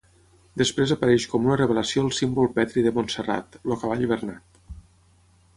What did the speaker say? Després apareix com una revelació el símbol petri de Montserrat: el Cavall Bernat.